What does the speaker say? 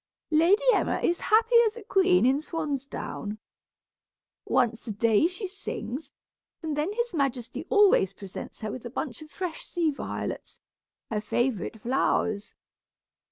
Lady Emma is happy as a queen in swansdown. Once a day she sings, and then his majesty always presents her with a bunch of fresh sea violets, her favorite flowers.